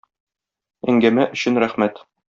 Әңгәмә өчен рәхмәт!